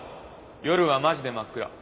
夜はマジで真っ暗。